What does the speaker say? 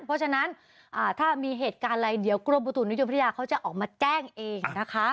เพราะฉะนั้นถ้ามีเหตุการณ์อะไรเดี๋ยวกรมอุตุนิยมพัทยาเขาจะออกมาแจ้งเองนะคะ